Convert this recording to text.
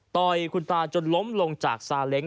ต่อยคุณตาจนล้มลงจากซาเล้ง